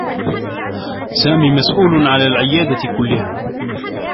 سامي مسؤول على العيادة كلّها.